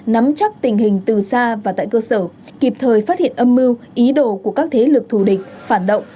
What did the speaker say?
nắm chắc tình hình từ xa và tại cơ sở kịp thời phát hiện âm mưu ý đồ của các thế lực thù địch phản động